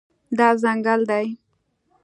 دا ځنګل دی